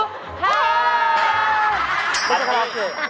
จุปปะจุบ